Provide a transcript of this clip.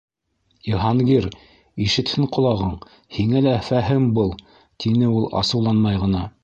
Йыһангир, ишетһен ҡолағың, һиңә лә фәһем был, — тине ул, асыуланмай ғына.